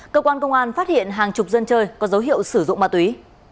cơ quan công an phát hiện hàng chục dân chơi có dấu hiệu sử dụng ma túy